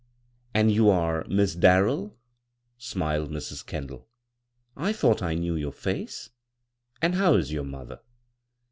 And you are Miss Darrell," smiled Mrs. Kendall. " I thought I knew your face. And how is your mother